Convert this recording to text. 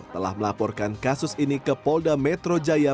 telah melaporkan kasus ini ke polda metro jaya